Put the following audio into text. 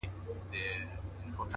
ډېر الله پر زړه باندي دي شـپـه نـه ده ـ